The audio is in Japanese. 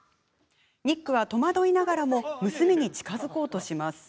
ニックは、戸惑いながらも娘に近づこうします。